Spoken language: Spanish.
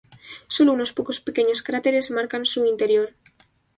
Solo unos pocos pequeños cráteres marcan su interior.